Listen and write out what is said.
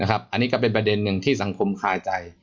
อันนี้ก็เป็นประเด็นหนึ่งที่สังคมคาใจ